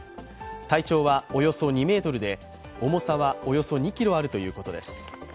体長はおよそ２ｍで重さはおよそ２ｋｇあるということです。